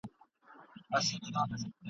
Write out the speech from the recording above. د بې پته مرګ په خوله کي به یې شپه وي !.